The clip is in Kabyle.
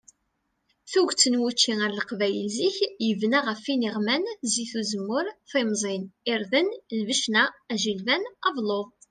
Tuget n wučči ar leqbayel zik yebna ɣef iniɣman, zit uzemmur, timẓin, irden, lbecna, ajilban, abelluḍ.